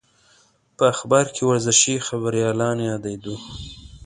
په اخبار کې ورزشي خبریالان یادېدو.